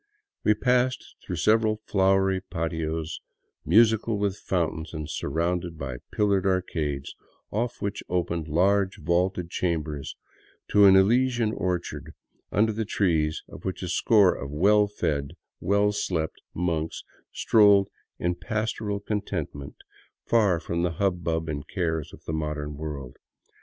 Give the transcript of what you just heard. We passed through several flowery patios musical with fountains and surrounded by pillared arcades, off which opened large, vaulted chambers, to an Elysian orchard under the trees of which a score of well fed, well slept monks strolled in pastoral contentment far from the hubbub and cares of the modern world.